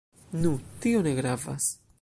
Nu, tio ne gravas.